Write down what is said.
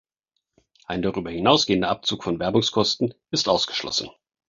Ein darüber hinausgehender Abzug von Werbungskosten ist ausgeschlossen.